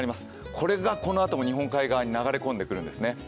これがこのあとも日本海側に流れ込んでくるんですね。